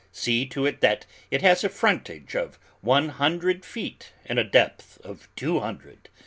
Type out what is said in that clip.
See to it that it has a frontage of one hundred feet and a depth of two hundred.